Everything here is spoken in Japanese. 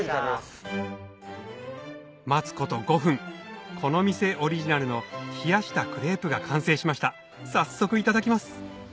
待つこと５分この店オリジナルの冷やしたクレープが完成しました早速いただきますん！